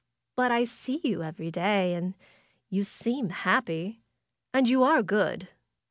But I see you every day, and you seem happy. And you are good."